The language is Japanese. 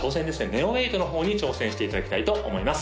ＮＥＯ８の方に挑戦していただきたいと思います